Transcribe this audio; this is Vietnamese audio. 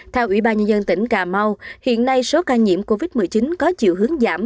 theo ủy ban nhân dân tỉnh cà mau hiện nay số ca nhiễm covid một mươi chín có chiều hướng giảm